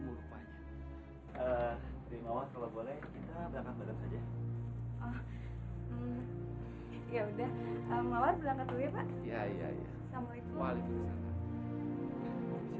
maaf kalau boleh kita belakang saja ya udah